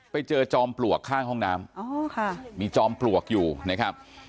ไปเจอจอมปลวกข้างห้องน้ำอ๋อค่ะมีจอมปลวกอยู่นะครับ